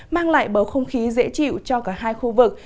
mang lại bầu không khí dễ chịu cho cả hai khu vực